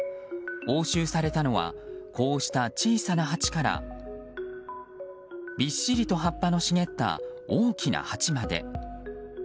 押収されたのはこうした小さな鉢からびっしりと葉っぱの茂った大きな鉢まで。